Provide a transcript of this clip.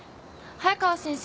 早川先生。